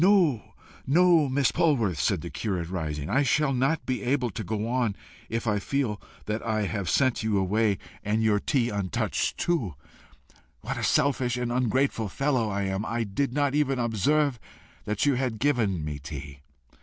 "No, no, Miss Polwarth!" said the curate, rising; "I shall not be able to go on if I feel that I have sent you away and your tea untouched too! What a selfish and ungrateful fellow I am! I did not even observe that you had given me tea!